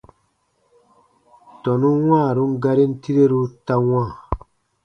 Tɔnun wãarun garin tireru ta wãa.